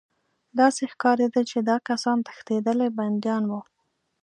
داسې ښکارېده چې دا کسان تښتېدلي بندیان وو